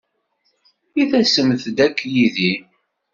I tasemt-d akk yid-i?